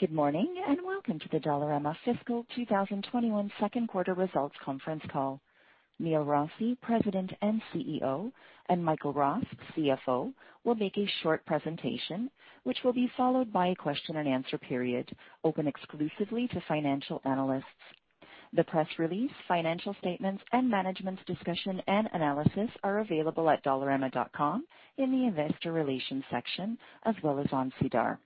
Good morning, and welcome to the Dollarama fiscal 2021 second quarter results conference call. Neil Rossy, President and CEO, and Michael Ross, CFO, will make a short presentation, which will be followed by a question and answer period open exclusively to financial analysts. The press release, financial statements, and management's discussion and analysis are available at dollarama.com in the investor relations section as well as on SEDAR.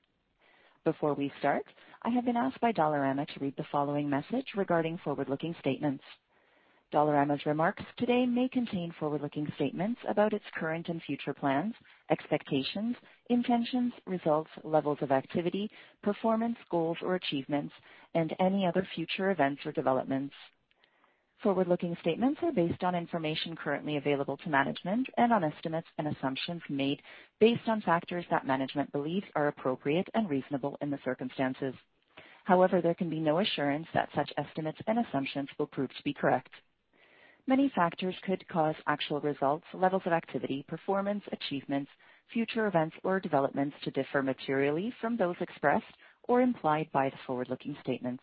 Before we start, I have been asked by Dollarama to read the following message regarding forward-looking statements. Dollarama's remarks today may contain forward-looking statements about its current and future plans, expectations, intentions, results, levels of activity, performance, goals or achievements, and any other future events or developments. Forward-looking statements are based on information currently available to management and on estimates and assumptions made based on factors that management believes are appropriate and reasonable in the circumstances. There can be no assurance that such estimates and assumptions will prove to be correct. Many factors could cause actual results, levels of activity, performance, achievements, future events, or developments to differ materially from those expressed or implied by the forward-looking statements.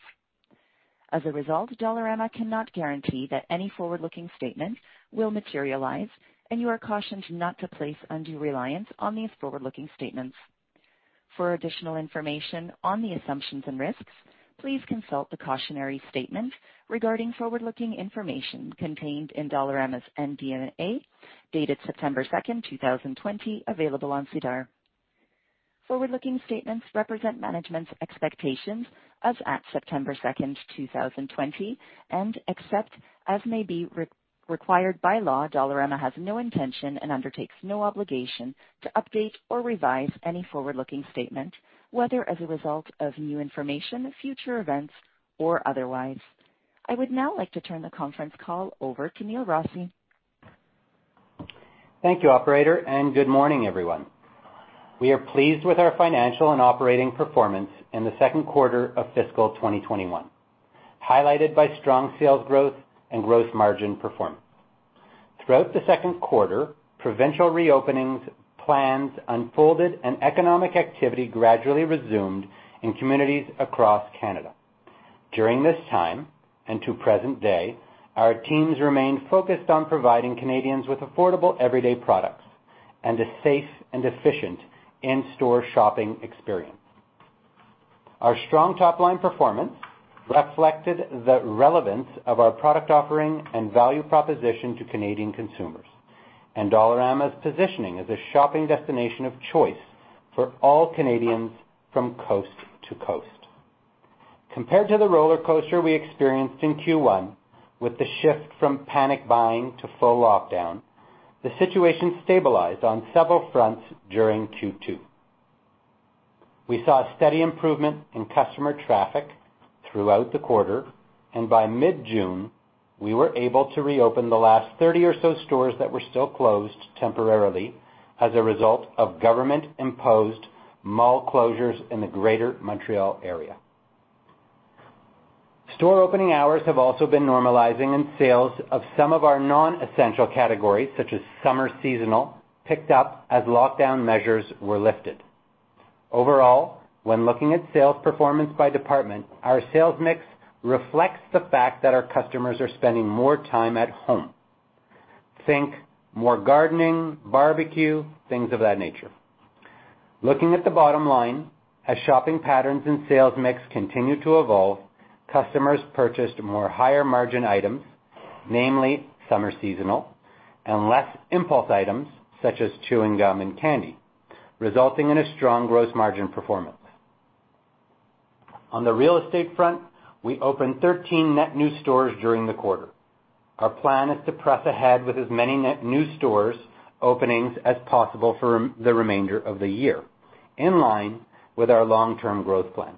Dollarama cannot guarantee that any forward-looking statements will materialize, and you are cautioned not to place undue reliance on these forward-looking statements. For additional information on the assumptions and risks, please consult the cautionary statement regarding forward-looking information contained in Dollarama's MD&A, dated September 2nd, 2020, available on SEDAR. Forward-looking statements represent management's expectations as at September 2nd, 2020, and except as may be required by law, Dollarama has no intention and undertakes no obligation to update or revise any forward-looking statement, whether as a result of new information, future events, or otherwise. I would now like to turn the conference call over to Neil Rossy. Thank you, operator, and good morning, everyone. We are pleased with our financial and operating performance in the second quarter of fiscal 2021, highlighted by strong sales growth and gross margin performance. Throughout the second quarter, provincial re-openings plans unfolded and economic activity gradually resumed in communities across Canada. During this time, and to present day, our teams remained focused on providing Canadians with affordable, everyday products and a safe and efficient in-store shopping experience. Our strong top-line performance reflected the relevance of our product offering and value proposition to Canadian consumers, and Dollarama's positioning as a shopping destination of choice for all Canadians from coast to coast. Compared to the rollercoaster we experienced in Q1 with the shift from panic buying to full lockdown, the situation stabilized on several fronts during Q2. We saw a steady improvement in customer traffic throughout the quarter, and by mid-June, we were able to reopen the last 30 or so stores that were still closed temporarily as a result of government-imposed mall closures in the Greater Montreal area. Store opening hours have also been normalizing, and sales of some of our non-essential categories, such as summer seasonal, picked up as lockdown measures were lifted. Overall, when looking at sales performance by department, our sales mix reflects the fact that our customers are spending more time at home. Think more gardening, barbecue, things of that nature. Looking at the bottom line, as shopping patterns and sales mix continue to evolve, customers purchased more higher margin items, namely summer seasonal and less impulse items such as chewing gum and candy, resulting in a strong gross margin performance. On the real estate front, we opened 13 net new stores during the quarter. Our plan is to press ahead with as many net new stores openings as possible for the remainder of the year, in line with our long-term growth plan.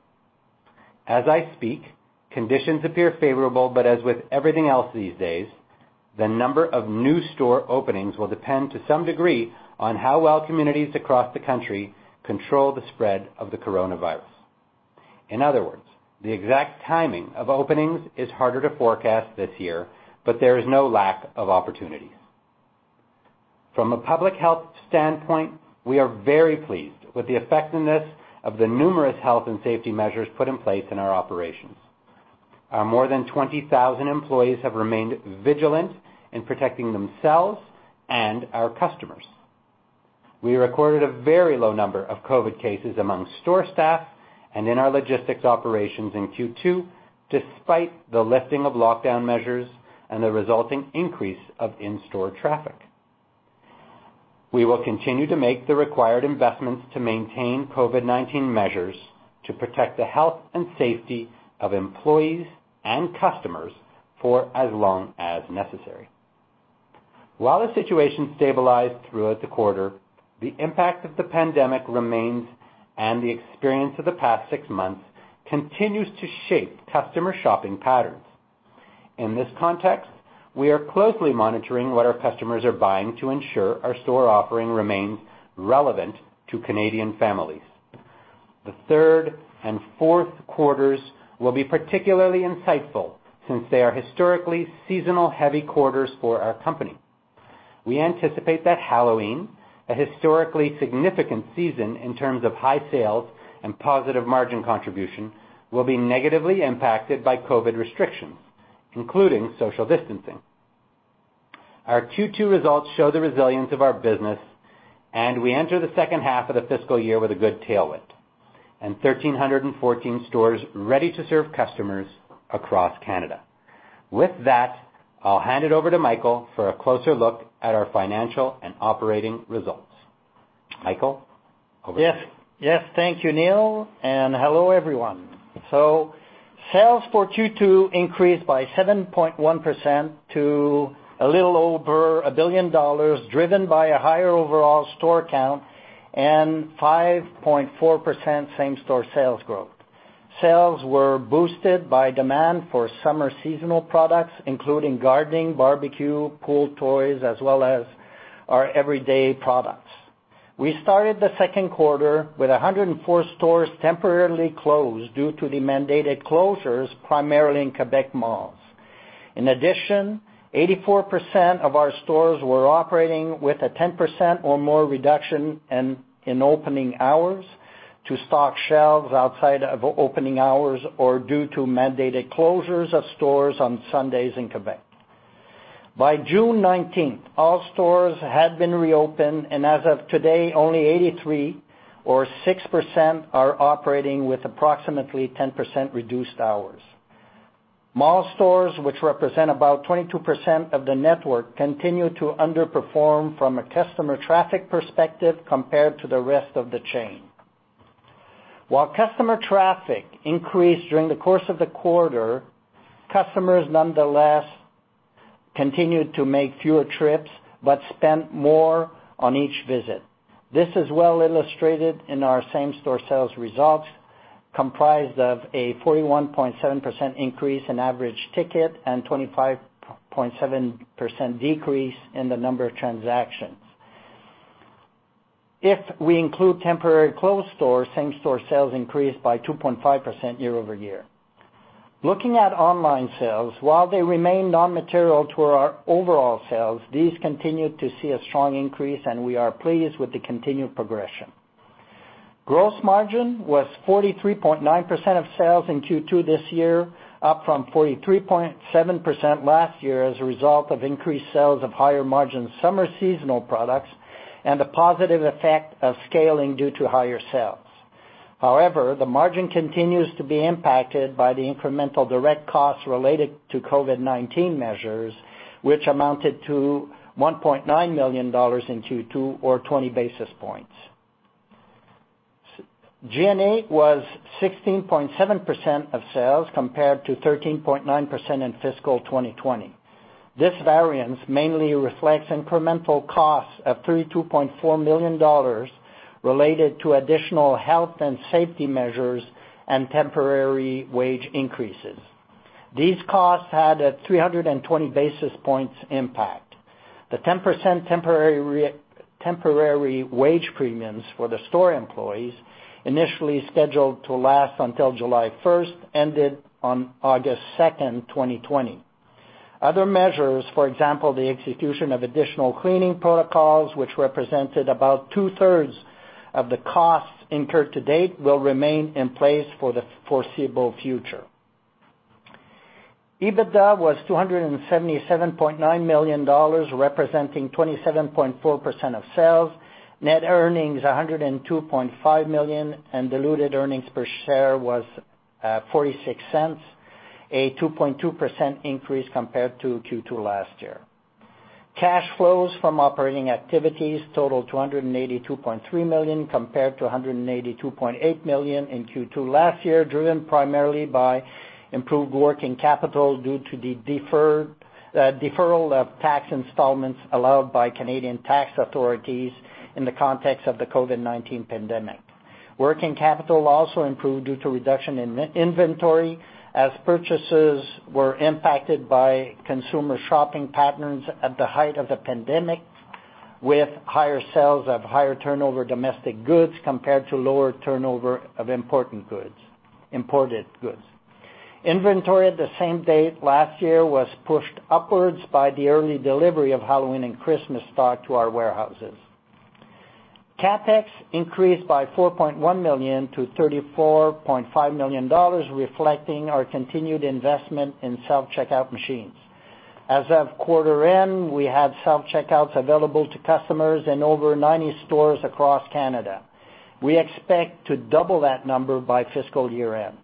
As I speak, conditions appear favorable, but as with everything else these days, the number of new store openings will depend to some degree on how well communities across the country control the spread of the coronavirus. In other words, the exact timing of openings is harder to forecast this year, but there is no lack of opportunities. From a public health standpoint, we are very pleased with the effectiveness of the numerous health and safety measures put in place in our operations. Our more than 20,000 employees have remained vigilant in protecting themselves and our customers. We recorded a very low number of COVID cases among store staff and in our logistics operations in Q2, despite the lifting of lockdown measures and the resulting increase of in-store traffic. We will continue to make the required investments to maintain COVID-19 measures to protect the health and safety of employees and customers for as long as necessary. While the situation stabilized throughout the quarter, the impact of the pandemic remains, and the experience of the past six months continues to shape customer shopping patterns. In this context, we are closely monitoring what our customers are buying to ensure our store offering remains relevant to Canadian families. The third and fourth quarters will be particularly insightful since they are historically seasonal-heavy quarters for our company. We anticipate that Halloween, a historically significant season in terms of high sales and positive margin contribution, will be negatively impacted by COVID restrictions, including social distancing. Our Q2 results show the resilience of our business, and we enter the second half of the fiscal year with a good tailwind, and 1,314 stores ready to serve customers across Canada. With that, I'll hand it over to Michael for a closer look at our financial and operating results. Michael, over to you. Thank you, Neil, and hello, everyone. Sales for Q2 increased by 7.1% to a little over 1 billion dollars, driven by a higher overall store count and 5.4% same-store sales growth. Sales were boosted by demand for summer seasonal products, including gardening, barbecue, pool toys, as well as our everyday products. We started the second quarter with 104 stores temporarily closed due to the mandated closures, primarily in Quebec malls. In addition, 84% of our stores were operating with a 10% or more reduction in opening hours to stock shelves outside of opening hours or due to mandated closures of stores on Sundays in Quebec. By June 19th, all stores had been reopened, and as of today, only 83, or 6%, are operating with approximately 10% reduced hours. Mall stores, which represent about 22% of the network, continue to underperform from a customer traffic perspective compared to the rest of the chain. While customer traffic increased during the course of the quarter, customers nonetheless continued to make fewer trips but spent more on each visit. This is well illustrated in our same-store sales results, comprised of a 41.7% increase in average ticket and 25.7% decrease in the number of transactions. If we include temporary closed stores, same-store sales increased by 2.5% year-over-year. Looking at online sales, while they remain non-material to our overall sales, these continued to see a strong increase, and we are pleased with the continued progression. Gross margin was 43.9% of sales in Q2 this year, up from 43.7% last year as a result of increased sales of higher-margin summer seasonal products and the positive effect of scaling due to higher sales. However, the margin continues to be impacted by the incremental direct costs related to COVID-19 measures, which amounted to 1.9 million dollars in Q2, or 20 basis points. G&A was 16.7% of sales compared to 13.9% in fiscal 2020. This variance mainly reflects incremental costs of 32.4 million dollars related to additional health and safety measures and temporary wage increases. These costs had a 320 basis points impact. The 10% temporary wage premiums for the store employees, initially scheduled to last until July 1st, ended on August 2nd, 2020. Other measures, for example, the execution of additional cleaning protocols, which represented about two-thirds of the costs incurred to date, will remain in place for the foreseeable future. EBITDA was 277.9 million dollars, representing 27.4% of sales. Net earnings, 102.5 million, and diluted earnings per share was 0.46, a 2.2% increase compared to Q2 last year. Cash flows from operating activities totaled 282.3 million compared to 182.8 million in Q2 last year, driven primarily by improved working capital due to the deferral of tax installments allowed by Canadian tax authorities in the context of the COVID-19 pandemic. Working capital also improved due to reduction in inventory as purchases were impacted by consumer shopping patterns at the height of the pandemic, with higher sales of higher-turnover domestic goods compared to lower turnover of imported goods. Inventory at the same date last year was pushed upwards by the early delivery of Halloween and Christmas stock to our warehouses. CapEx increased by 4.1 million to 34.5 million dollars, reflecting our continued investment in self-checkout machines. As of quarter end, we have self-checkouts available to customers in over 90 stores across Canada. We expect to double that number by fiscal year-end.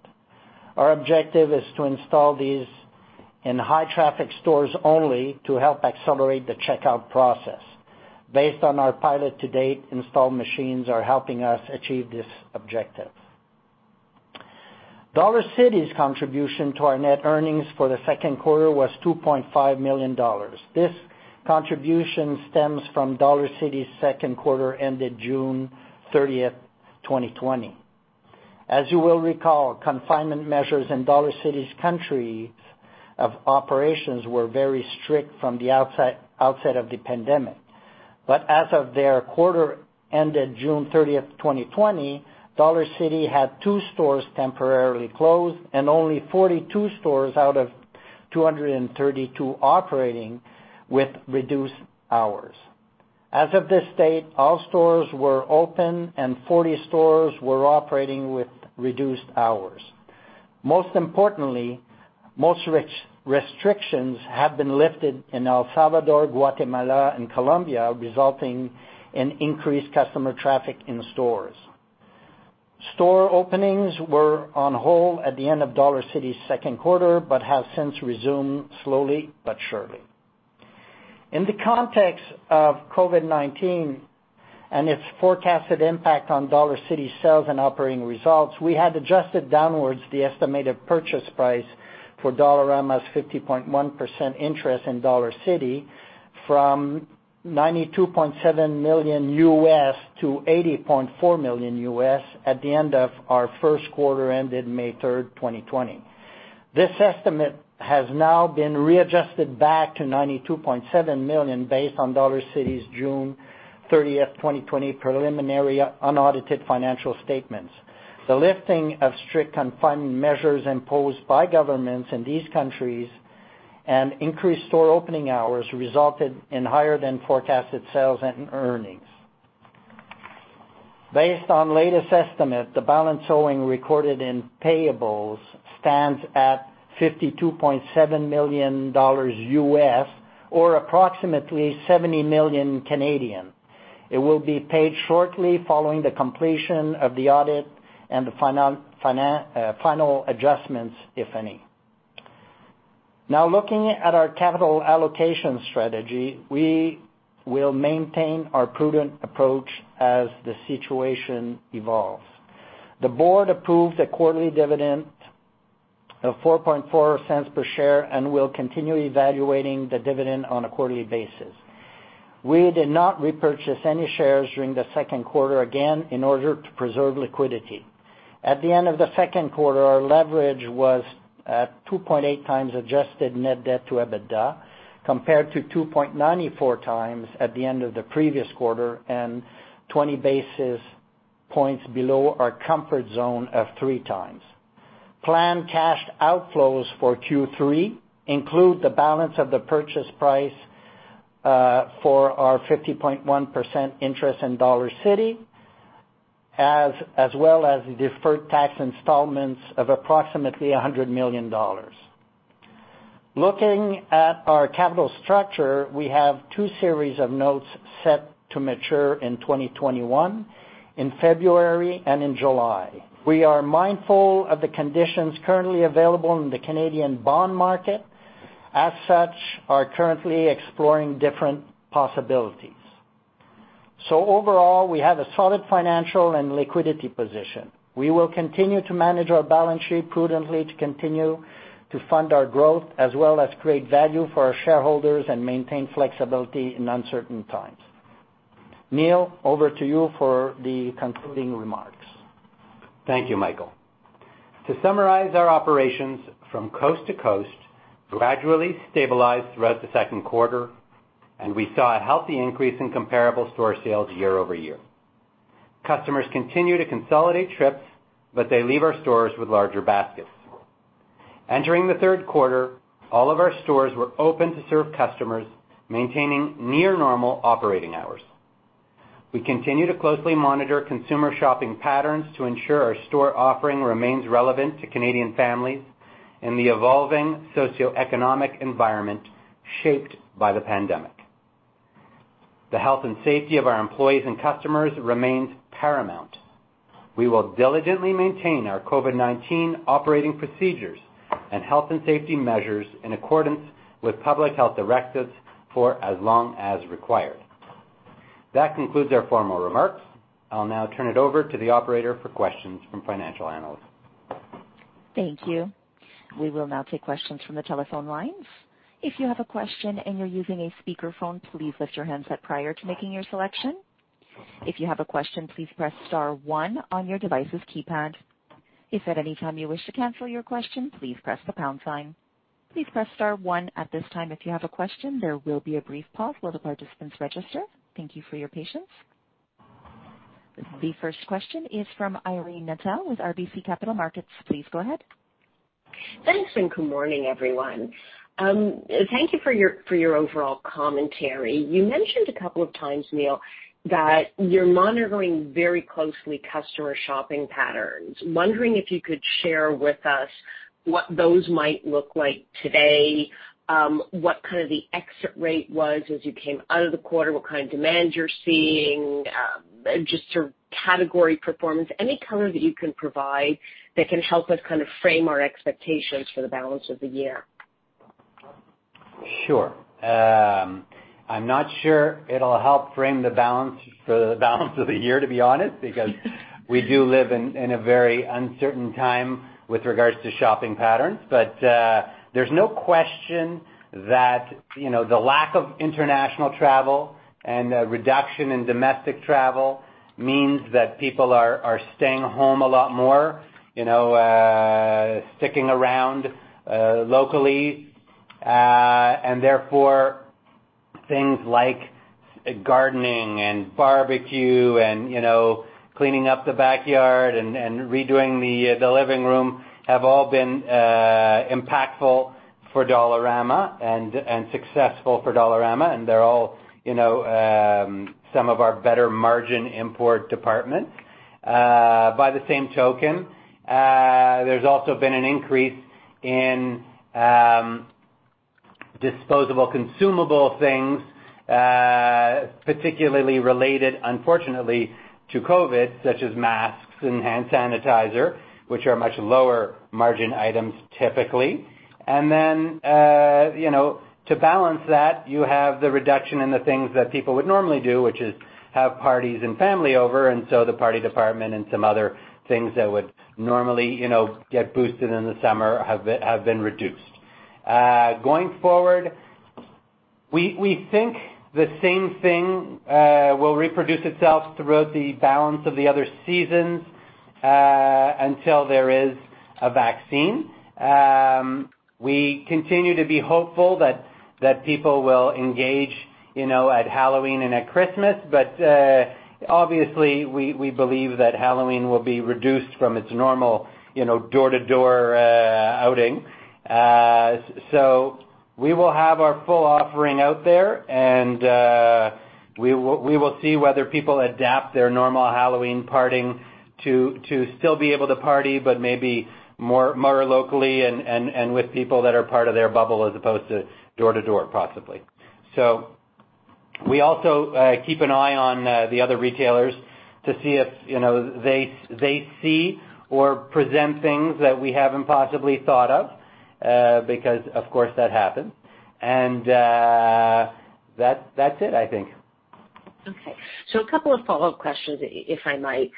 Our objective is to install these in high-traffic stores only to help accelerate the checkout process. Based on our pilot to date, installed machines are helping us achieve this objective. Dollarcity's contribution to our net earnings for the second quarter was 2.5 million dollars. This contribution stems from Dollarcity's second quarter, ended June 30th, 2020. As you will recall, confinement measures in Dollarcity's countries of operations were very strict from the outset of the pandemic. As of their quarter ended June 30, 2020, Dollarcity had two stores temporarily closed and only 42 stores out of 232 operating with reduced hours. As of this date, all stores were open, and 40 stores were operating with reduced hours. Most importantly, most restrictions have been lifted in El Salvador, Guatemala, and Colombia, resulting in increased customer traffic in stores. Store openings were on hold at the end of Dollarcity's second quarter but have since resumed slowly but surely. In the context of COVID-19 and its forecasted impact on Dollarcity's sales and operating results, we had adjusted downwards the estimated purchase price for Dollarama's 50.1% interest in Dollarcity from $92.7 million to $80.4 million at the end of our first quarter ended May 3rd, 2020. This estimate has now been readjusted back to $92.7 million based on Dollarcity's June 30th, 2020, preliminary unaudited financial statements. The lifting of strict confinement measures imposed by governments in these countries and increased store opening hours resulted in higher than forecasted sales and earnings. Based on latest estimate, the balance owing recorded in payables stands at $52.7 million, or approximately 70 million. It will be paid shortly following the completion of the audit and the final adjustments, if any. Looking at our capital allocation strategy, we will maintain our prudent approach as the situation evolves. The board approved a quarterly dividend of 0.044 per share and will continue evaluating the dividend on a quarterly basis. We did not repurchase any shares during the second quarter, again, in order to preserve liquidity. At the end of the second quarter, our leverage was at 2.8x adjusted net debt to EBITDA, compared to 2.94x at the end of the previous quarter and 20 basis points below our comfort zone of 3x. Planned cash outflows for Q3 include the balance of the purchase price for our 50.1% interest in Dollarcity, as well as the deferred tax installments of approximately 100 million dollars. Looking at our capital structure, we have two series of notes set to mature in 2021, in February and in July. We are mindful of the conditions currently available in the Canadian bond market. As such, we are currently exploring different possibilities. Overall, we have a solid financial and liquidity position. We will continue to manage our balance sheet prudently to continue to fund our growth as well as create value for our shareholders and maintain flexibility in uncertain times. Neil, over to you for the concluding remarks. Thank you, Michael. To summarize our operations from coast to coast gradually stabilized throughout the second quarter, and we saw a healthy increase in comparable store sales year-over-year. Customers continue to consolidate trips, but they leave our stores with larger baskets. Entering the third quarter, all of our stores were open to serve customers, maintaining near normal operating hours. We continue to closely monitor consumer shopping patterns to ensure our store offering remains relevant to Canadian families in the evolving socioeconomic environment shaped by the pandemic. The health and safety of our employees and customers remains paramount. We will diligently maintain our COVID-19 operating procedures and health and safety measures in accordance with public health directives for as long as required. That concludes our formal remarks. I'll now turn it over to the operator for questions from financial analysts. Thank you. We will now take questions from the telephone lines. If you have a question and you're using a speakerphone, please lift your handset prior to making your selection. If you have a question, please press star one on your device's keypad. If at any time you wish to cancel your question, please press the pound sign. Please press star one at this time if you have a question. There will be a brief pause while the participants register. Thank you for your patience. The first question is from Irene Nattel with RBC Capital Markets. Please go ahead. Thanks, good morning, everyone. Thank you for your overall commentary. You mentioned a couple of times, Neil, that you're monitoring very closely customer shopping patterns. Wondering if you could share with us what those might look like today, what kind of the exit rate was as you came out of the quarter, what kind of demand you're seeing, just sort of category performance, any color that you can provide that can help us kind of frame our expectations for the balance of the year. Sure. I'm not sure it'll help frame the balance for the balance of the year, to be honest, because we do live in a very uncertain time with regards to shopping patterns. There's no question that the lack of international travel and a reduction in domestic travel means that people are staying home a lot more, you know, sticking around locally, and therefore things like gardening and barbecue and cleaning up the backyard and redoing the living room have all been impactful for Dollarama and successful for Dollarama, and they're all some of our better margin import departments. By the same token, there's also been an increase in disposable consumable things, particularly related, unfortunately, to COVID, such as masks and hand sanitizer, which are much lower margin items typically. To balance that, you have the reduction in the things that people would normally do, which is have parties and family over, the party department and some other things that would normally get boosted in the summer have been reduced. Going forward, we think the same thing will reproduce itself throughout the balance of the other seasons until there is a vaccine. We continue to be hopeful that people will engage at Halloween and at Christmas. Obviously, we believe that Halloween will be reduced from its normal door-to-door outing. We will have our full offering out there, and we will see whether people adapt their normal Halloween partying to still be able to party, but maybe more locally and with people that are part of their bubble as opposed to door to door, possibly. We also keep an eye on the other retailers to see if they see or present things that we haven't possibly thought of, because of course that happens. That's it, I think. Okay. A couple of follow-up questions, if I might.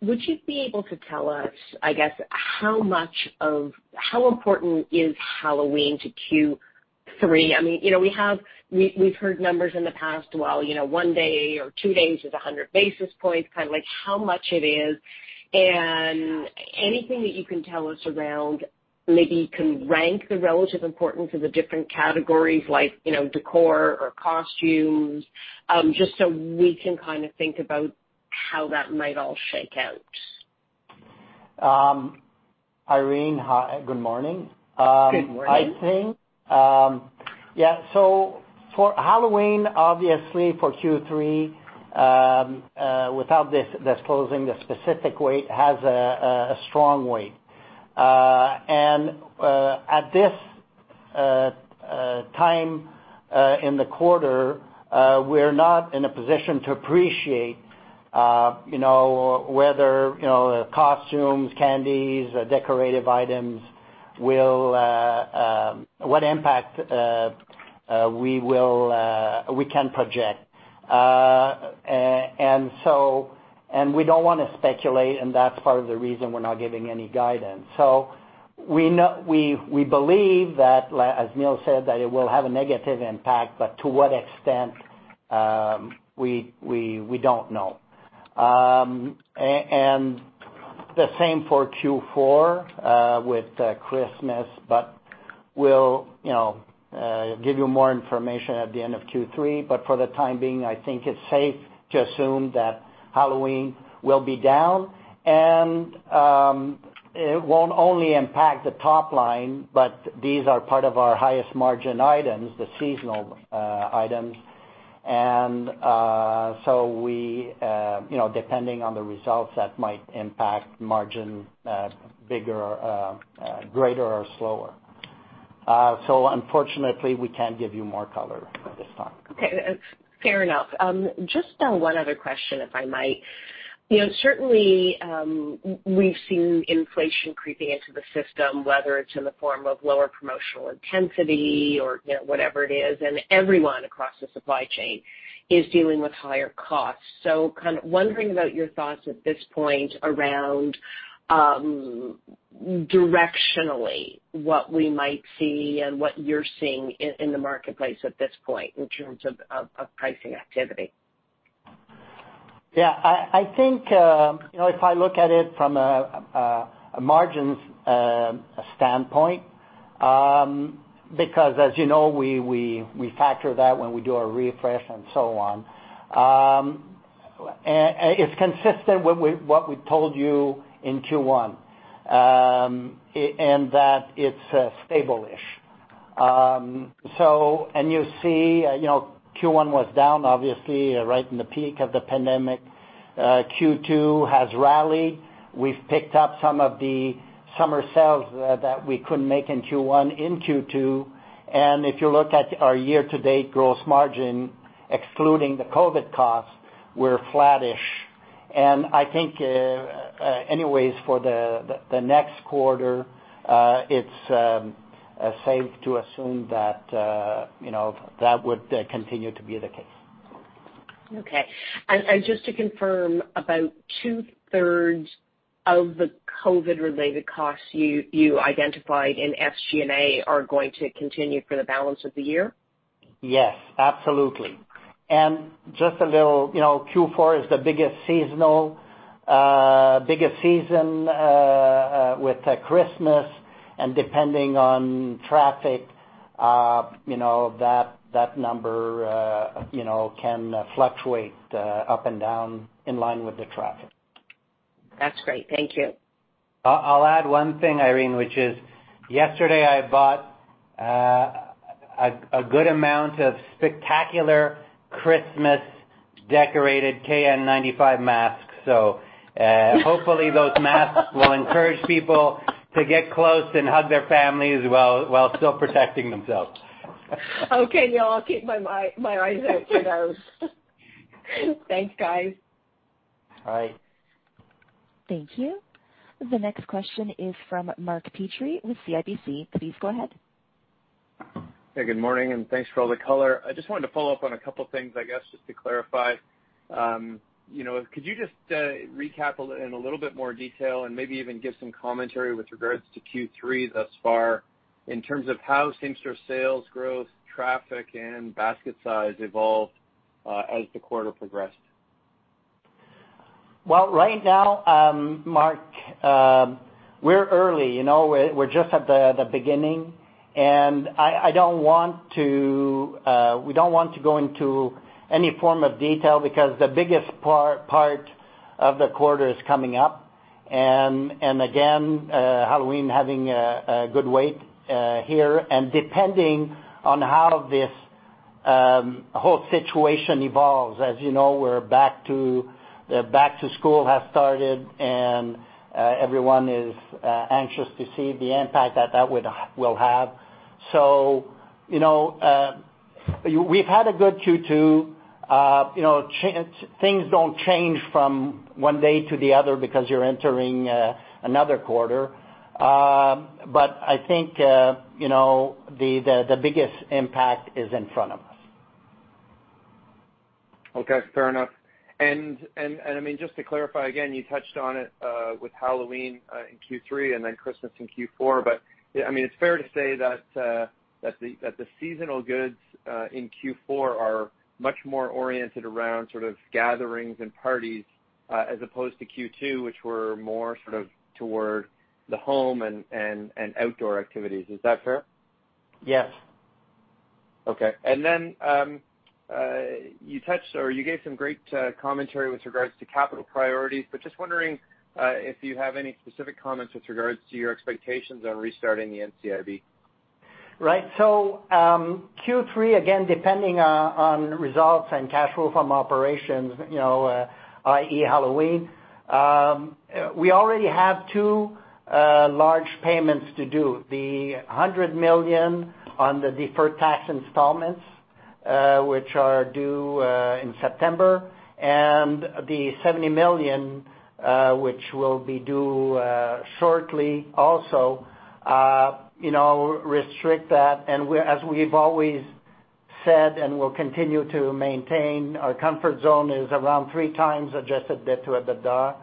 Would you be able to tell us, I guess, how important is Halloween to Q3? We've heard numbers in the past, well, one day or two days is 100 basis points, kind of like how much it is, and anything that you can tell us around, maybe you can rank the relative importance of the different categories like decor or costumes, just so we can kind of think about how that might all shake out. Irene, good morning. Good morning. For Halloween, obviously for Q3, without disclosing the specific weight, has a strong weight. At this time in the quarter, we're not in a position to appreciate whether costumes, candies, decorative items, what impact we can project. We don't want to speculate, and that's part of the reason we're not giving any guidance. We believe that, as Neil said, that it will have a negative impact, but to what extent, we don't know. The same for Q4 with Christmas, but we'll give you more information at the end of Q3. For the time being, I think it's safe to assume that Halloween will be down, and it won't only impact the top line, but these are part of our highest margin items, the seasonal items. Depending on the results, that might impact margin greater or slower. Unfortunately, we can't give you more color at this time. Okay, fair enough. Just one other question, if I might. Certainly, we've seen inflation creeping into the system, whether it's in the form of lower promotional intensity or whatever it is, and everyone across the supply chain is dealing with higher costs. Kind of wondering about your thoughts at this point around directionally what we might see and what you're seeing in the marketplace at this point in terms of pricing activity. I think, if I look at it from a margin's standpoint, because as you know, we factor that when we do a refresh and so on. It's consistent with what we told you in Q1, in that it's stable-ish. You see Q1 was down, obviously, right in the peak of the pandemic. Q2 has rallied. We've picked up some of the summer sales that we couldn't make in Q1 in Q2, and if you look at our year-to-date gross margin, excluding the COVID costs, we're flattish. I think anyways, for the next quarter, it's safe to assume that would continue to be the case. Okay. Just to confirm, about two-thirds of the COVID-related costs you identified in SG&A are going to continue for the balance of the year? Yes, absolutely. Q4 is the biggest season with Christmas, and depending on traffic, that number can fluctuate up and down in line with the traffic. That's great. Thank you. I'll add one thing, Irene, which is yesterday I bought a good amount of spectacular Christmas decorated KN95 masks. Hopefully those masks will encourage people to get close and hug their families while still protecting themselves. Okay, Neil, I'll keep my eyes out for those. Thanks, guys. Bye. Thank you. The next question is from Mark Petrie with CIBC. Please go ahead. Hey, good morning, thanks for all the color. I just wanted to follow up on a couple things, I guess, just to clarify. Could you just recap in a little bit more detail and maybe even give some commentary with regards to Q3 thus far in terms of how same-store sales growth, traffic, and basket size evolved, as the quarter progressed? Well, right now, Mark, we're early. We're just at the beginning, and we don't want to go into any form of detail because the biggest part of the quarter is coming up. Again, Halloween having a good weight here. Depending on how this whole situation evolves, as you know, back to school has started, and everyone is anxious to see the impact that that will have. We've had a good Q2. Things don't change from one day to the other because you're entering another quarter. I think the biggest impact is in front of us. Okay, fair enough. Just to clarify again, you touched on it with Halloween in Q3 and then Christmas in Q4, but it's fair to say that the seasonal goods in Q4 are much more oriented around sort of gatherings and parties as opposed to Q2, which were more sort of toward the home and outdoor activities. Is that fair? Yes. Okay. You gave some great commentary with regards to capital priorities, but just wondering if you have any specific comments with regards to your expectations on restarting the NCIB. Right. Q3, again, depending on results and cash flow from operations i.e. Halloween, we already have two large payments to do. The 100 million on the deferred tax installments, which are due in September, and the 70 million, which will be due shortly also, restrict that. As we've always said and will continue to maintain, our comfort zone is around three times adjusted debt to EBITDA.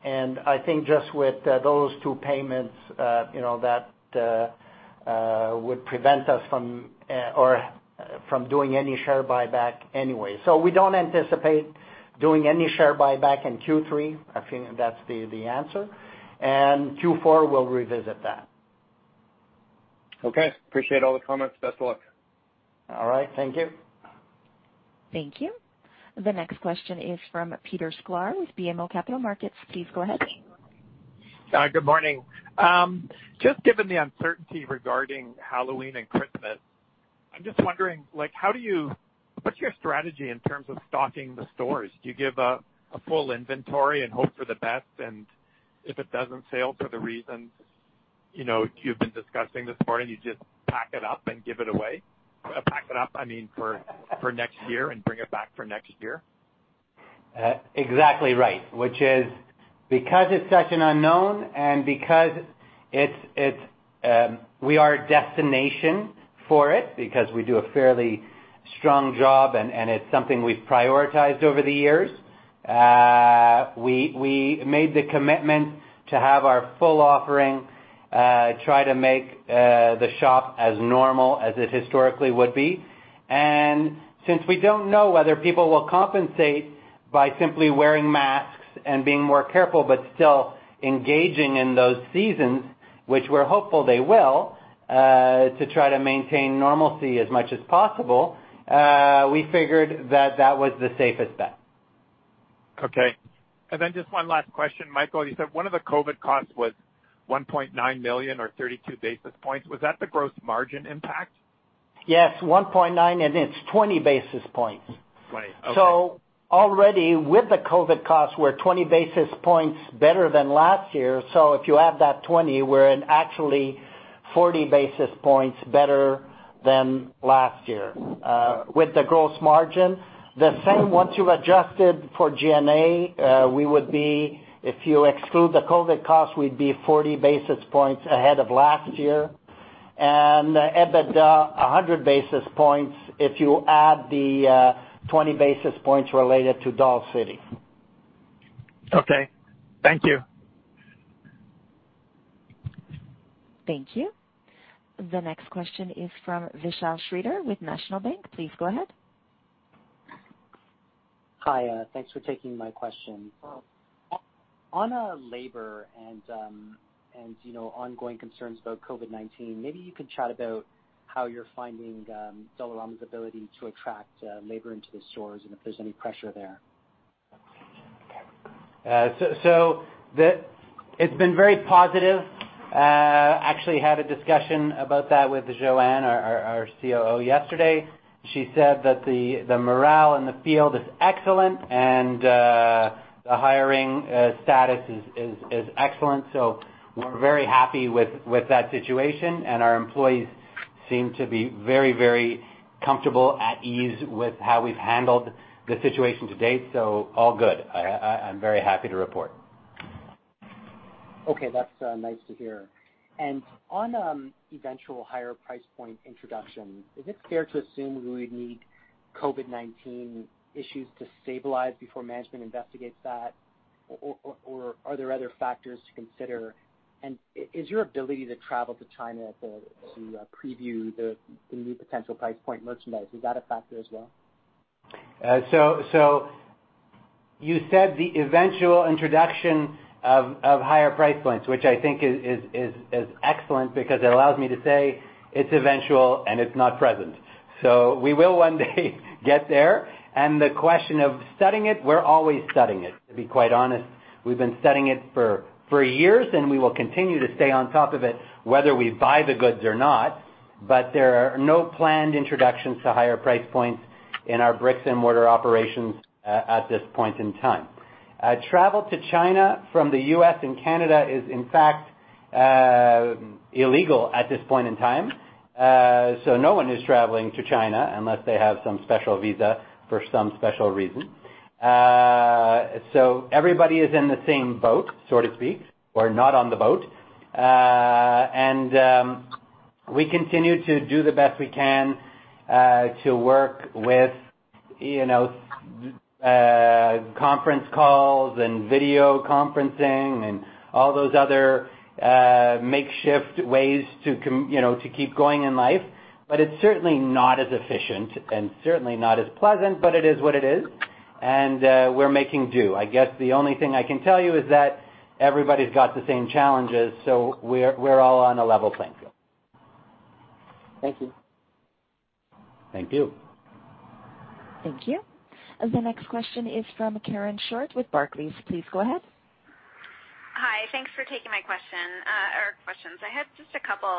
I think just with those two payments that would prevent us from doing any share buyback anyway. We don't anticipate doing any share buyback in Q3. I think that's the answer. Q4 we'll revisit that. Okay. Appreciate all the comments. Best of luck. All right. Thank you. Thank you. The next question is from Peter Sklar with BMO Capital Markets. Please go ahead. Hi, good morning. Just given the uncertainty regarding Halloween and Christmas, I'm just wondering, what's your strategy in terms of stocking the stores? Do you give a full inventory and hope for the best? If it doesn't sell for the reasons you've been discussing this morning, you just pack it up and give it away? Pack it up, I mean, for next year and bring it back for next year? Exactly right. Which is because it's such an unknown and because we are a destination for it because we do a fairly strong job and it's something we've prioritized over the years, we made the commitment to have our full offering, try to make the shop as normal as it historically would be. Since we don't know whether people will compensate by simply wearing masks and being more careful, but still engaging in those seasons, which we're hopeful they will, to try to maintain normalcy as much as possible, we figured that that was the safest bet. Okay. Just one last question. Michael, you said one of the COVID costs was 1.9 million or 32 basis points. Was that the gross margin impact? Yes, 1.9, and it's 20 basis points. Okay. Already with the COVID costs, we're 20 basis points better than last year. If you add that 20, we're in actually 40 basis points better than last year. With the gross margin, the same once you adjust it for G&A, if you exclude the COVID cost, we'd be 40 basis points ahead of last year and EBITDA 100 basis points if you add the 20 basis points related to Dollarcity. Okay. Thank you. Thank you. The next question is from Vishal Shreedhar with National Bank. Please go ahead. Hi, thanks for taking my question. On labor and ongoing concerns about COVID-19, maybe you could chat about how you're finding Dollarama's ability to attract labor into the stores and if there's any pressure there. It's been very positive. Actually, had a discussion about that with Johanne, our COO, yesterday. She said that the morale in the field is excellent, and the hiring status is excellent. We're very happy with that situation, and our employees seem to be very, very comfortable, at ease with how we've handled the situation to date. All good. I'm very happy to report. Okay. That's nice to hear. On eventual higher price point introduction, is it fair to assume we would need COVID-19 issues to stabilize before management investigates that? Or are there other factors to consider? Is your ability to travel to China to preview the new potential price point merchandise, is that a factor as well? You said the eventual introduction of higher price points, which I think is excellent because it allows me to say it's eventual and it's not present. We will one day get there. The question of studying it, we're always studying it, to be quite honest. We've been studying it for years, and we will continue to stay on top of it, whether we buy the goods or not. There are no planned introductions to higher price points in our bricks and mortar operations at this point in time. Travel to China from the U.S. and Canada is, in fact, illegal at this point in time. No one is traveling to China unless they have some special visa for some special reason. Everybody is in the same boat, so to speak, or not on the boat. We continue to do the best we can to work with conference calls and video conferencing and all those other makeshift ways to keep going in life. It's certainly not as efficient and certainly not as pleasant, but it is what it is, and we're making do. I guess the only thing I can tell you is that everybody's got the same challenges, so we're all on a level playing field. Thank you. Thank you. Thank you. The next question is from Karen Short with Barclays. Please go ahead. Hi. Thanks for taking my question, or questions. I had just a couple.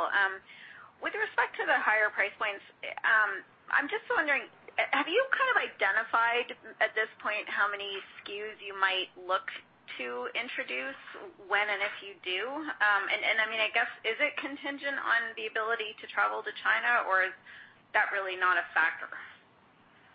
With respect to the higher price points, I'm just wondering, have you kind of identified at this point how many SKUs you might look to introduce when and if you do? I guess, is it contingent on the ability to travel to China, or is that really not a factor?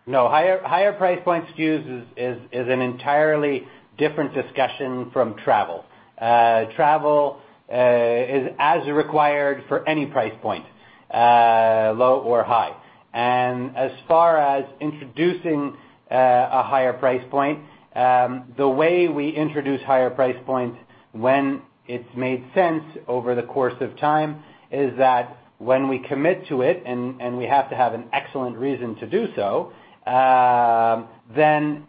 No. Higher price points SKUs is an entirely different discussion from travel. Travel is as required for any price point, low or high. As far as introducing a higher price point, the way we introduce higher price points when it's made sense over the course of time, is that when we commit to it, and we have to have an excellent reason to do so,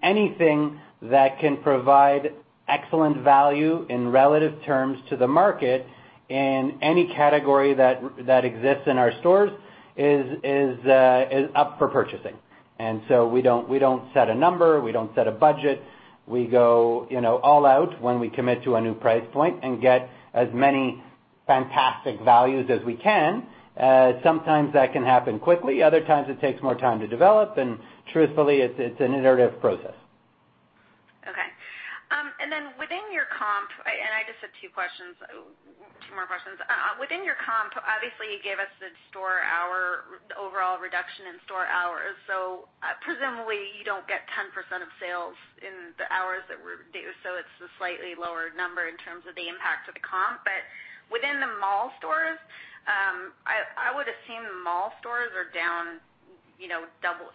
anything that can provide excellent value in relative terms to the market in any category that exists in our stores, is up for purchasing. We don't set a number. We don't set a budget. We go all out when we commit to a new price point and get as many fantastic values as we can. Sometimes that can happen quickly, other times it takes more time to develop, truthfully, it's an iterative process. Okay. Then within your comp, and I just have two more questions. Within your comp, obviously, you gave us the overall reduction in store hours. Presumably, you don't get 10% of sales in the hours that were due. It's a slightly lower number in terms of the impact to the comp. Within the mall stores, I would assume the mall stores are down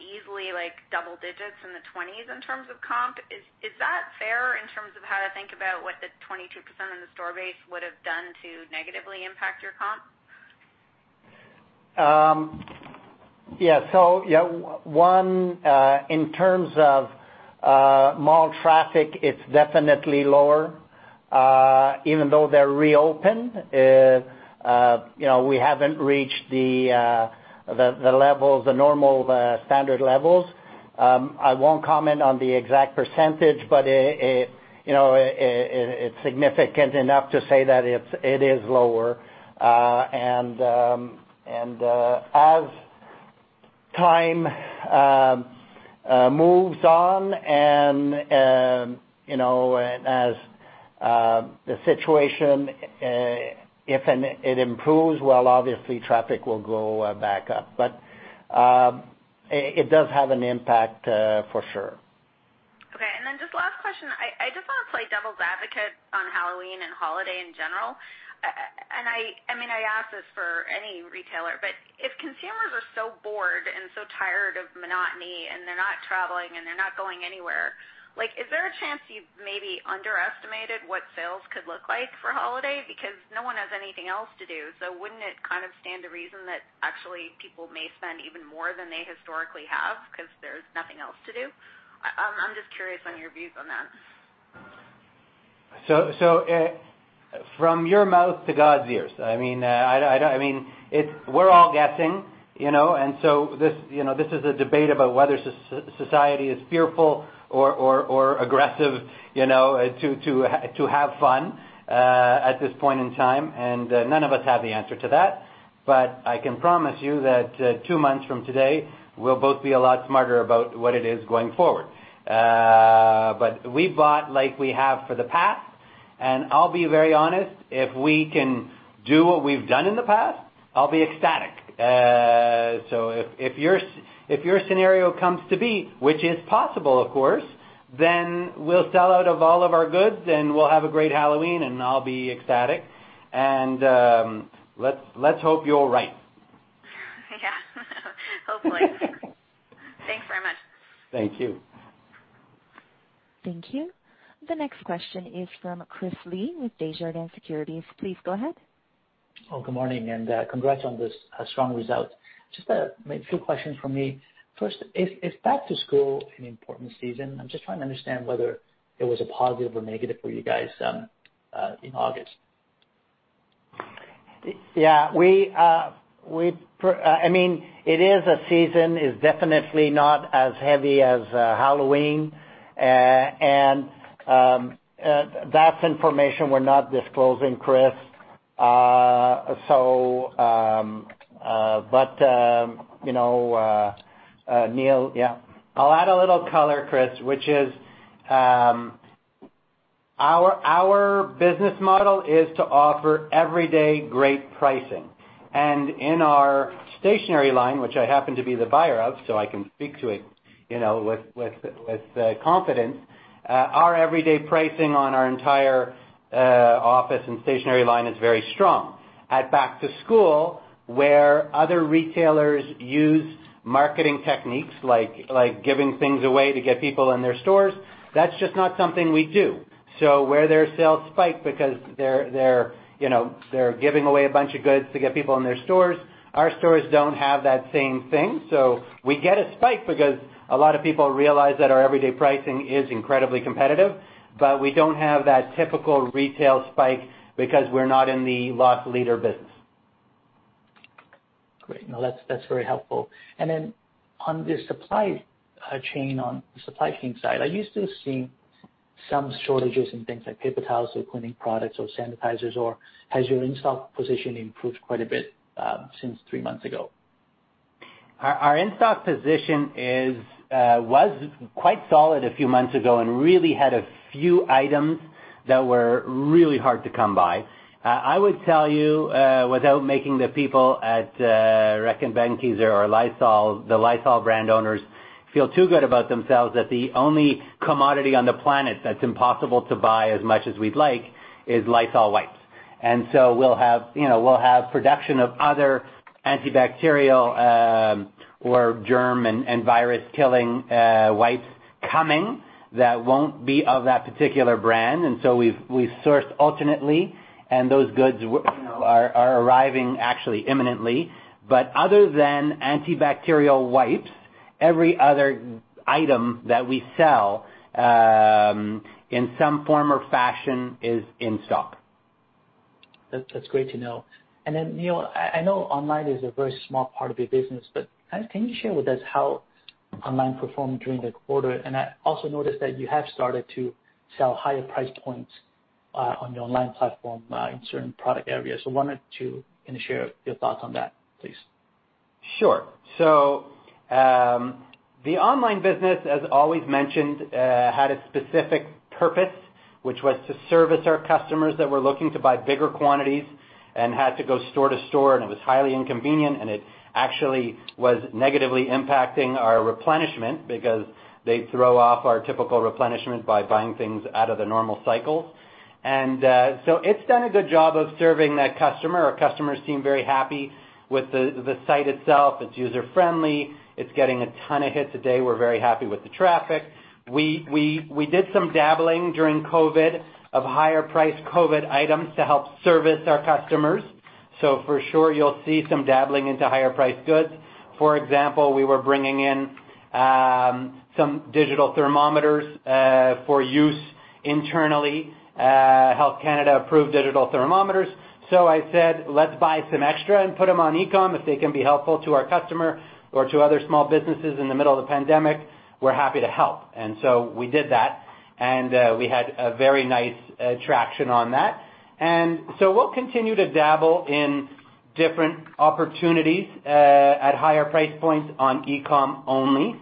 easily double digits in the 20s in terms of comp. Is that fair in terms of how to think about what the 22% in the store base would have done to negatively impact your comp? Yeah. One, in terms of mall traffic, it's definitely lower. Even though they're reopened, we haven't reached the normal standard levels. I won't comment on the exact %, but it's significant enough to say that it is lower. As time moves on, and as the situation, if it improves, well, obviously traffic will go back up. It does have an impact, for sure. Question. I just want to play devil's advocate on Halloween and holiday in general. I ask this for any retailer, if consumers are so bored and so tired of monotony and they're not traveling and they're not going anywhere, is there a chance you may be underestimated what sales could look like for holiday? Because no one has anything else to do. Wouldn't it kind of stand to reason that actually people may spend even more than they historically have because there's nothing else to do? I'm just curious on your views on that. From your mouth to God's ears. We're all guessing that this is a debate about whether society is fearful or aggressive to have fun at this point in time, none of us have the answer to that. I can promise you that 2 months from today, we'll both be a lot smarter about what it is going forward. We've bought like we have for the past, I'll be very honest, if we can do what we've done in the past, I'll be ecstatic. If your scenario comes to be, which is possible, of course, we'll sell out of all of our goods, we'll have a great Halloween, I'll be ecstatic. Let's hope you're right. Yeah. Hopefully. Thanks very much. Thank you. Thank you. The next question is from Chris Li with Desjardins Securities. Please go ahead. Well, good morning, congrats on the strong results. Just a few questions from me. First, is back to school an important season? I'm just trying to understand whether it was a positive or negative for you guys in August. Yeah. It is a season, is definitely not as heavy as Halloween. That's information we're not disclosing, Chris. Neil, yeah. I'll add a little color, Chris, which is, our business model is to offer everyday great pricing. In our stationery line, which I happen to be the buyer of, so I can speak to it with confidence, our everyday pricing on our entire office and stationery line is very strong. At back to school, where other retailers use marketing techniques like giving things away to get people in their stores, that's just not something we do. Where their sales spike because they're giving away a bunch of goods to get people in their stores, our stores don't have that same thing. We get a spike because a lot of people realize that our everyday pricing is incredibly competitive, but we don't have that typical retail spike because we're not in the loss leader business. Great. No, that's very helpful. On the supply chain side, are you still seeing some shortages in things like paper towels or cleaning products or sanitizers, or has your in-stock position improved quite a bit since three months ago? Our in-stock position was quite solid a few months ago and really had a few items that were really hard to come by. I would tell you, without making the people at Reckitt Benckiser or the Lysol brand owners feel too good about themselves, that the only commodity on the planet that's impossible to buy as much as we'd like is Lysol wipes. We'll have production of other antibacterial, or germ and virus-killing wipes coming that won't be of that particular brand. We've sourced alternately, and those goods are arriving actually imminently. Other than antibacterial wipes, every other item that we sell, in some form or fashion, is in stock. That's great to know. Neil, I know online is a very small part of your business, but can you share with us how online performed during the quarter? I also noticed that you have started to sell higher price points on the online platform in certain product areas. Wanted to kind of share your thoughts on that, please. Sure. The online business, as always mentioned, had a specific purpose, which was to service our customers that were looking to buy bigger quantities and had to go store to store, and it was highly inconvenient, and it actually was negatively impacting our replenishment because they throw off our typical replenishment by buying things out of the normal cycle. It's done a good job of serving that customer. Our customers seem very happy with the site itself. It's user-friendly. It's getting a ton of hits a day. We're very happy with the traffic. We did some dabbling during COVID of higher-priced COVID items to help service our customers. For sure, you'll see some dabbling into higher-priced goods. For example, we were bringing in some digital thermometers for use internally, Health Canada-approved digital thermometers. I said, "Let's buy some extra and put them on e-com if they can be helpful to our customer or to other small businesses in the middle of the pandemic. We're happy to help." We did that, and we had a very nice traction on that. We'll continue to dabble in different opportunities at higher price points on e-com only,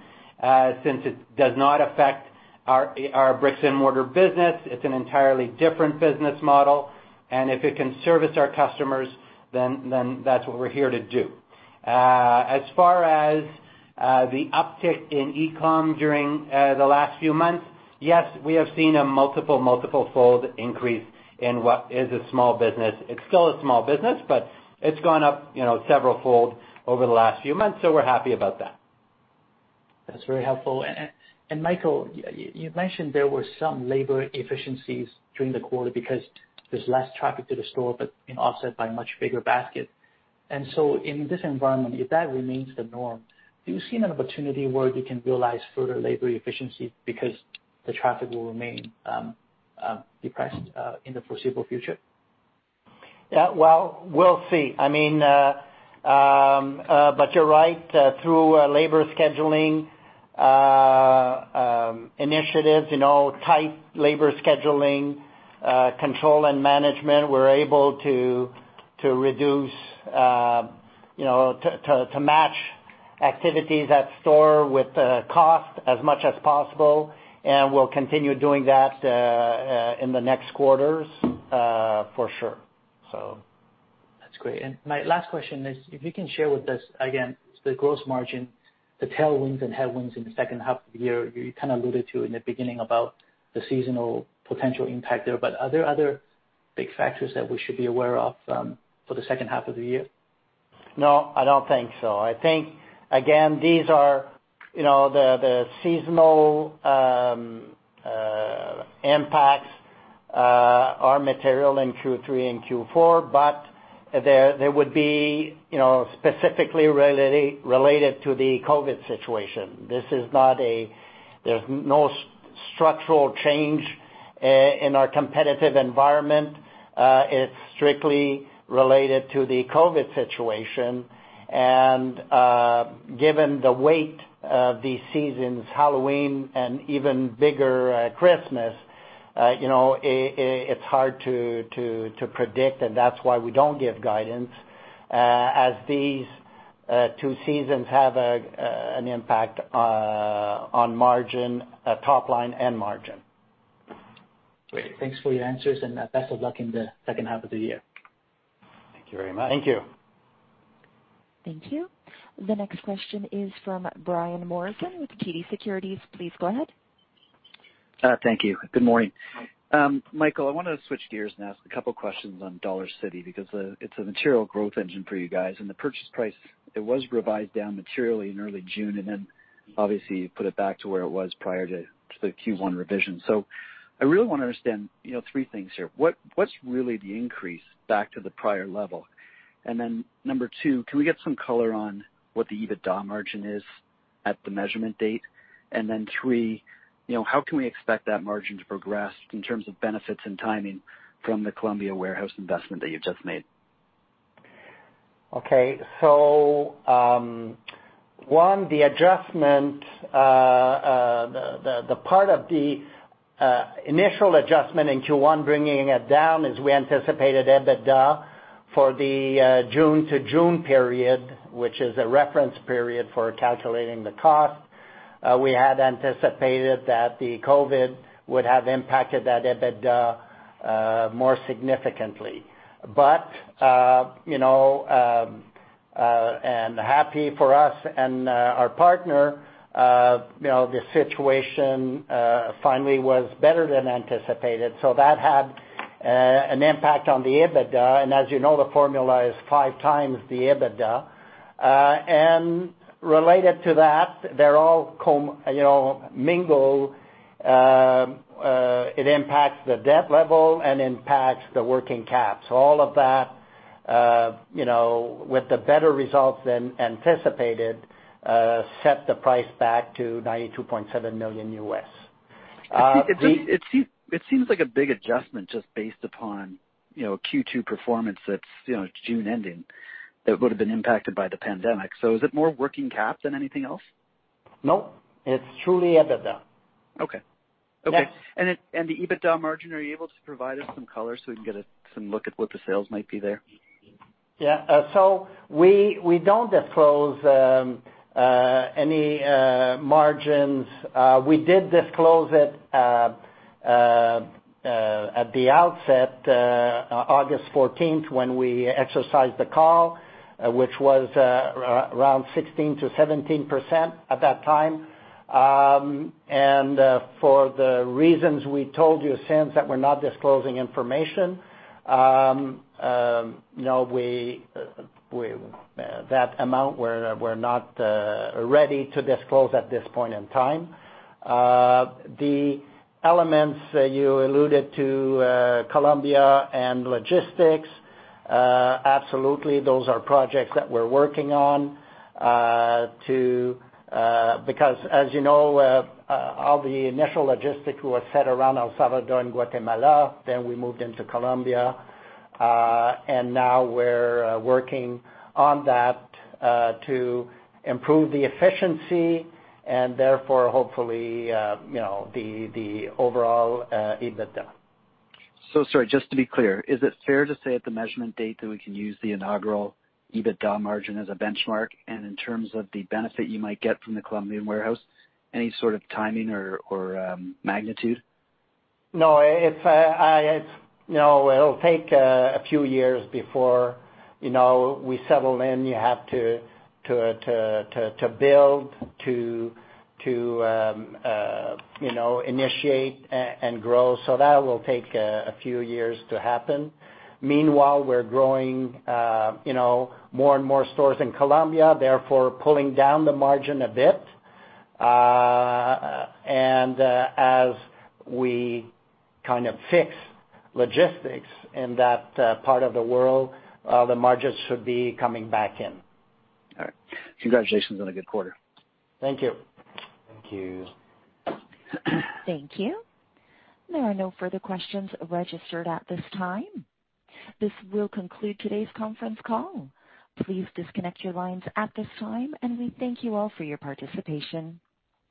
since it does not affect our bricks-and-mortar business. It's an entirely different business model, and if it can service our customers, then that's what we're here to do. As far as the uptick in e-com during the last few months, yes, we have seen a multiple fold increase in what a small business is. It's still a small business, but it's gone up several fold over the last few months, so we're happy about that. That's very helpful. Michael, you mentioned there were some labor efficiencies during the quarter because there's less traffic to the store but offset by much bigger basket. In this environment, if that remains the norm, do you see an opportunity where you can realize further labor efficiency because the traffic will remain depressed, in the foreseeable future? Yeah, well, we'll see. You're right, through labor scheduling initiatives, tight labor scheduling, control and management, we're able to match activities at store with the cost as much as possible, and we'll continue doing that in the next quarters for sure. That's great. My last question is, if you can share with us, again, the gross margin, the tailwinds and headwinds in the second half of the year. You kind of alluded to in the beginning about the seasonal potential impact there, but are there other big factors that we should be aware of for the second half of the year? No, I don't think so. I think, again, the seasonal impacts are material in Q3 and Q4, but they would be specifically related to the COVID situation. There's no structural change in our competitive environment. It's strictly related to the COVID situation. Given the weight of these seasons, Halloween and even bigger, Christmas, it's hard to predict, and that's why we don't give guidance, as these two seasons have an impact on top line and margin. Great. Thanks for your answers and best of luck in the second half of the year. Thank you very much. Thank you. The next question is from Brian Morrison with TD Cowen. Please go ahead. Thank you. Good morning. Michael, I wanted to switch gears and ask a couple questions on Dollarcity, because it's a material growth engine for you guys, and the purchase price, it was revised down materially in early June, and then obviously you put it back to where it was prior to the Q1 revision. I really want to understand three things here. What's really the increase back to the prior level? Number two, can we get some color on what the EBITDA margin is at the measurement date? Three, how can we expect that margin to progress in terms of benefits and timing from the Colombia warehouse investment that you've just made? Okay. One, the part of the initial adjustment in Q1 bringing it down is we anticipated EBITDA for the June to June period, which is a reference period for calculating the cost. We had anticipated that the COVID would have impacted that EBITDA more significantly. And happy for us and our partner, the situation finally was better than anticipated. That had an impact on the EBITDA, and as you know, the formula is five times the EBITDA. Related to that, they're all mingled. It impacts the debt level and impacts the working cap. All of that, with the better results than anticipated, set the price back to $92.7 million. It seems like a big adjustment just based upon Q2 performance that's June ending that would've been impacted by the pandemic. Is it more working cap than anything else? No. It's truly EBITDA. Okay. Yeah. The EBITDA margin, are you able to provide us some color so we can get some look at what the sales might be there? Yeah. We don't disclose any margins. We did disclose it at the outset, August 14th, when we exercised the call, which was around 16%-17% at that time. For the reasons we told you since that we're not disclosing information, that amount we're not ready to disclose at this point in time. The elements you alluded to, Colombia and logistics, absolutely, those are projects that we're working on. As you know, all the initial logistics were set around El Salvador and Guatemala, then we moved into Colombia. Now we're working on that, to improve the efficiency and therefore, hopefully, the overall EBITDA. Sorry, just to be clear, is it fair to say at the measurement date that we can use the inaugural EBITDA margin as a benchmark? In terms of the benefit you might get from the Colombian warehouse, any sort of timing or magnitude? No, it'll take a few years before we settle in. You have to build, to initiate and grow. That will take a few years to happen. Meanwhile, we're growing more and more stores in Colombia, therefore pulling down the margin a bit. As we kind of fix logistics in that part of the world, the margins should be coming back in. All right. Congratulations on a good quarter. Thank you. Thank you. There are no further questions registered at this time. This will conclude today's conference call. Please disconnect your lines at this time, and we thank you all for your participation.